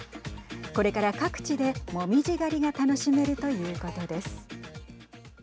これから各地で紅葉狩りが楽しめるということです。